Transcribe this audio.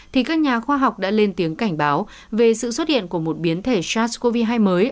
thì các nhà khoa học đã lên tiếng cảnh báo về sự xuất hiện của một biến thể sars cov hai mới